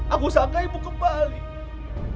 aku sangka ibu kembali